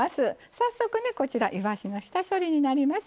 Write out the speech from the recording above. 早速ねこちらいわしの下処理になります。